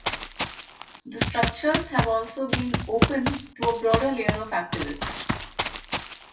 The structures have also been "open" to a broader layer of activists.